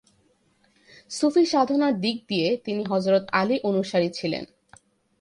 সুফি সাধনার দিক দিয়ে তিনি হযরত আলীর অনুসারী ছিলেন।